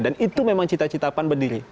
dan itu memang cita cita pan berdiri